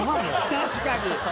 確かに。